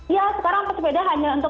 ya sekarang pesepeda hanya untuk